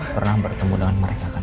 pernah bertemu dengan mereka